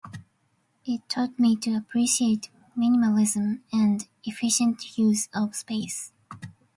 It taught me to appreciate minimalism and efficient use of space.